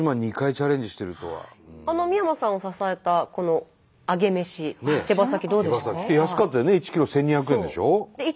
三山さんを支えたこのアゲメシ手羽先どうですか？